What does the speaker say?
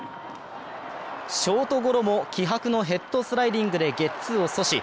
ショートゴロも気迫のヘッドスライディングでゲッツーを阻止。